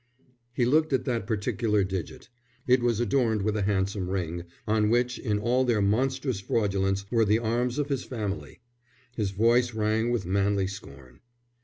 He looked at that particular digit. It was adorned with a handsome ring, on which in all their monstrous fraudulence were the arms of his family. His voice rang with manly scorn.